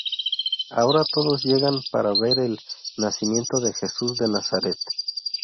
Ahora todos llegan para ver el nacimiento de Jesús de Nazareth.